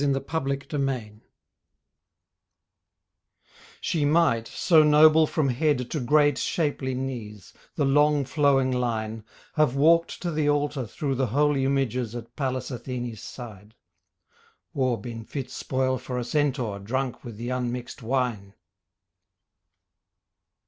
A THOUGHT FROM PROPERTIUS She might, so noble from head To great shapely knees, The long flowing line, Have walked to the altar Through the holy images At Pallas Athene's side, Or been fit spoil for a centaur Drunk with the unmixed wine.